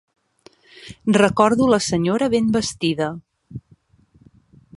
Recordo la senyora ben vestida